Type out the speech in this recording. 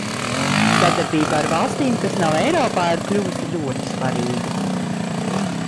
Sadarbība ar valstīm, kas nav Eiropā, ir kļuvusi ļoti svarīga.